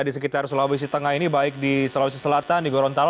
di sekitar sulawesi tengah ini baik di sulawesi selatan di gorontalo